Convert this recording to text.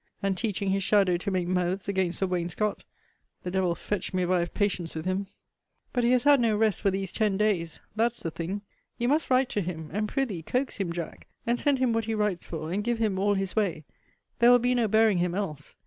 and teaching his shadow to make mouths against the wainscot The devil fetch me if I have patience with him! But he has had no rest for these ten days that's the thing! You must write to him; and pr'ythee coax him, Jack, and send him what he writes for, and give him all his way there will be no bearing him else.